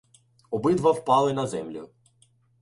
Обидва впали на землю.